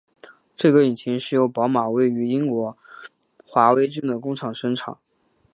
这个引擎是由宝马位于英国华威郡的工厂生产。